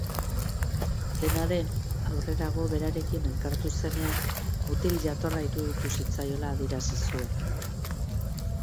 Dena den, aurrerago berarekin elkartu zenean mutil jatorra iruditu zitzaiola adierazi zuen.